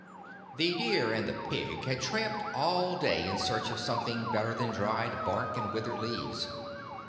The deer and the pig had tramped all day in search of something better than dried bark and withered leaves.